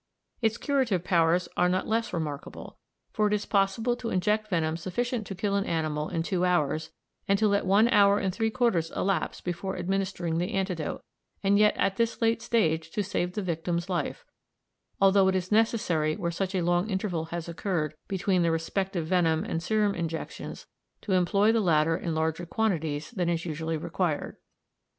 Its curative powers are not less remarkable, for it is possible to inject venom sufficient to kill an animal in two hours, and to let one hour and three quarters elapse before administering the antidote, and yet at this late stage to save the victim's life, although it is necessary where such a long interval has occurred between the respective venom and serum injections to employ the latter in larger quantities than is usually required.